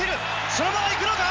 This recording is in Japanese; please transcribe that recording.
そのままいくのか。